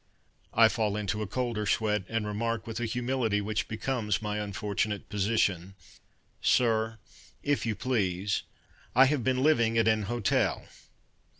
I fall into a colder sweat And remark, With a humility Which becomes my unfortunate position, "Sir, if you please, I have been living at an hotel."